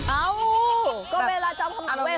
เอ้าก็เวลาจอมข้าวหมังเวศ